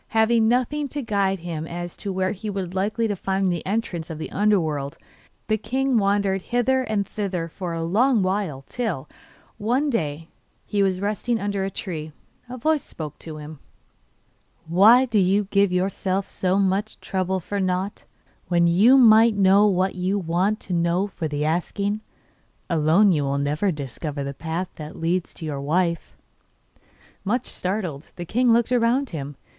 Having nothing to guide him as to where he was likely to find the entrance of the under world, the king wandered hither and thither for a long while, till, one day, while he was resting under a tree, a voice spoke to him. 'Why do you give yourself so much trouble for nought, when you might know what you want to know for the asking? Alone you will never discover the path that leads to your wife.' Much startled, the king looked about him.